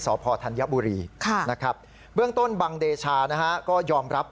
สพธัญบุรีนะครับเบื้องต้นบังเดชานะฮะก็ยอมรับ